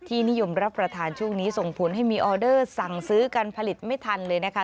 นิยมรับประทานช่วงนี้ส่งผลให้มีออเดอร์สั่งซื้อการผลิตไม่ทันเลยนะคะ